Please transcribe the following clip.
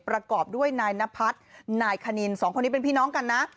ประกอบด้วยนายนพัฒน์นายคณินสองคนนี้เป็นพี่น้องกันนะ